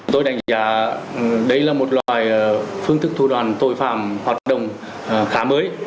tôi đánh giá đây là một loài phương thức thu đoàn tội phạm hoạt động khá mới